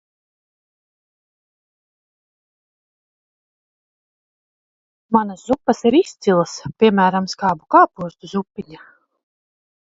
Manas zupas ir izcilas, piemēram, skābu kāpostu zupiņa.